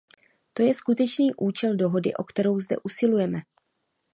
To je skutečný účel dohody, o kterou zde usilujeme.